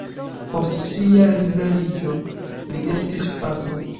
Post sia liberiĝo li estis pastro.